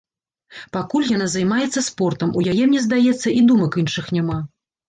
Пакуль яна займаецца спортам, у яе, мне здаецца, і думак іншых няма.